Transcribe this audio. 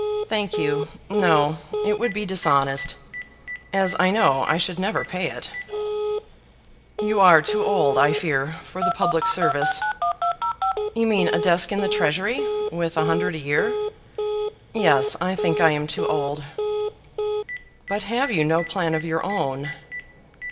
"Thank you, no. It would be dishonest, as I know I should never pay it." "You are too old, I fear, for the public service." "You mean a desk in the Treasury, with a hundred a year. Yes; I think I am too old." "But have you no plan of your own?"